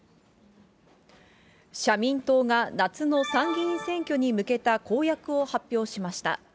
社民党が夏の参議院選挙に向けた公約を発表しました。